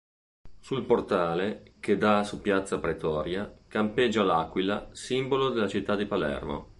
Sul portale, che dà su Piazza Pretoria, campeggia l'aquila, simbolo della città di Palermo.